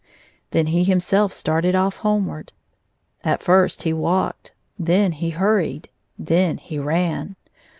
Then he himself started off homeward. At first he walked, then he hurried, then he ran.